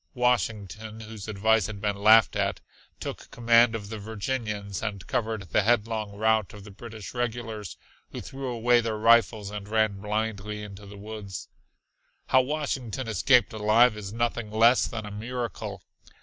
Washington, whose advice had been laughed at, took command of the Virginians and covered the headlong rout of the British regulars, who threw away their rifles and ran blindly into the woods. How Washington escaped alive is nothing less than a miracle.